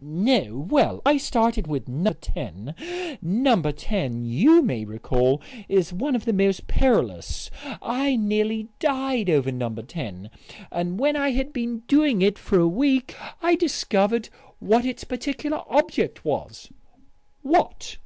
"No. Well, I started with No. 10. No. 10 you may recall is one of the most perilous. I nearly died over No. 10. And when I had been doing it for a week I discovered what its particular object was." "What?"